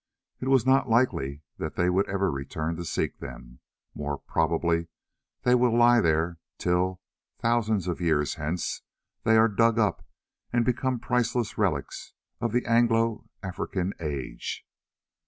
It was not likely that they would ever return to seek them; more probably they will lie there till, thousands of years hence, they are dug up and become priceless relics of the Anglo African age.